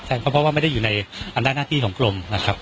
ใช่ก็เพราะว่าไม่ได้อยู่ในอำนาจหน้าที่ของกรมนะครับ